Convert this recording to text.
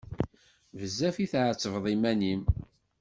Bezzaf i tḥettbeḍ iman-im!